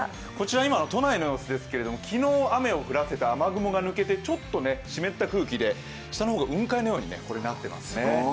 こちらは今の都内の様子ですけれども昨日雨を降らせた雨雲が抜けてちょっと湿った空気で下の方が雲海のようになっていますね。